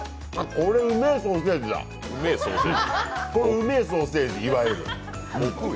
これうめえソーセージ、いわゆる。